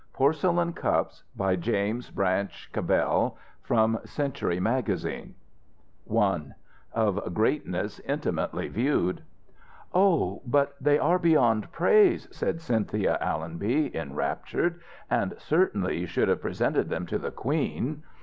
PORCELAIN CUPS BY JAMES BRANCH CABELL From Century Magazine I OF GREATNESS INTIMATELY VIEWED "Oh, but they are beyond praise," said Cynthia Allonby, enraptured, "and certainly you should have presented them to the Queen."